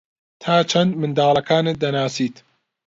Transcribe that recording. تا چەند منداڵەکانت دەناسیت؟